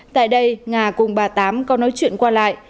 tại đây nga cùng bà tám có nói chuyện qua lại